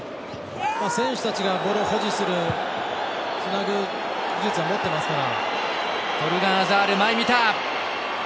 選手たちがボールを保持するつなぐ技術は持っていますから。